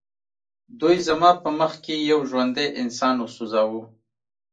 دوی زما په مخ کې یو ژوندی انسان وسوځاوه